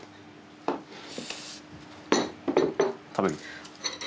食べる？